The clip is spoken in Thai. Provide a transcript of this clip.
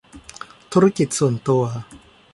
ธุรกิจส่วนตัว